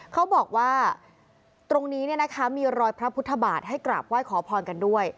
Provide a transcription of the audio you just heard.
เขาบอกว่าตรงนี้มีรอยพระพุทธบาทให้กราบไหว้ขอพรกันด้วย